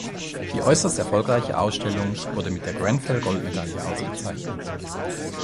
Die äußerst erfolgreiche Ausstellung wurde mit der Grenfell-Goldmedaille ausgezeichnet.